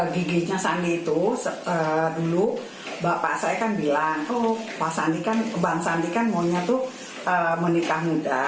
giginya sandi itu dulu bapak saya kan bilang oh bang sandi kan maunya tuh menikah muda